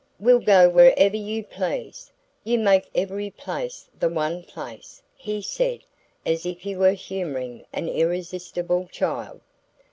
"We'll go wherever you please you make every place the one place," he said, as if he were humouring an irresistible child.